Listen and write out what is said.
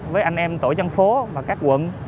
với anh em tổ chân phố và các quận